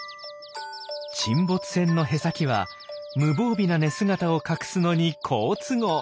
沈没船のへさきは無防備な寝姿を隠すのに好都合。